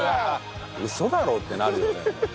ウソだろ！？ってなるよね。